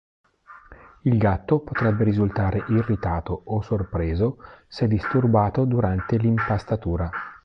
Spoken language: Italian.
Il gatto potrebbe risultare irritato o sorpreso se disturbato durante l'impastatura.